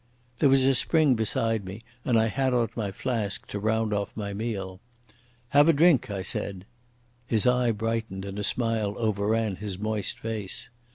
There was a spring beside me and I had out my flask to round off my meal. "Have a drink," I said. His eye brightened, and a smile overran his moist face.